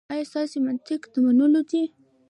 ایا ستاسو منطق د منلو دی؟